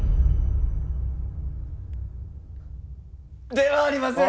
ではありません！